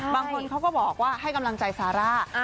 บางคนเขาก็บอกว่าให้กำลังใจซาร่า